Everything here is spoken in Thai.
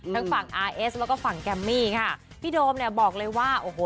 ทั้งฝั่งอาร์เอสแล้วก็ฝั่งแกมมี่ค่ะพี่โดมเนี่ยบอกเลยว่าโอ้โห